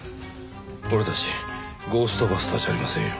俺たちゴーストバスターじゃありませんよ。